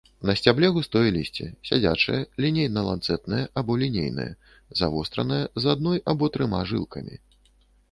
На сцябле густое лісце, сядзячае, лінейна-ланцэтнае або лінейнае, завостранае, з адной або трыма жылкамі.